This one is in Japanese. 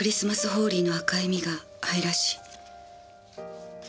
ホーリーの赤い実が愛らしい」。